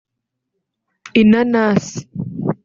inanasi